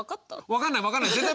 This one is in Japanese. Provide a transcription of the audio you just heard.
分かんない分かんない全然。